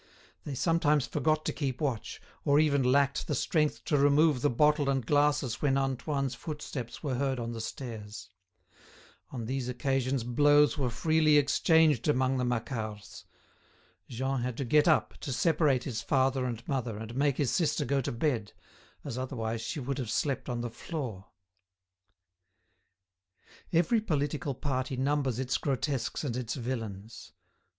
They sometimes forgot to keep watch, or even lacked the strength to remove the bottle and glasses when Antoine's footsteps were heard on the stairs. On these occasions blows were freely exchanged among the Macquarts. Jean had to get up to separate his father and mother and make his sister go to bed, as otherwise she would have slept on the floor. Every political party numbers its grotesques and its villains.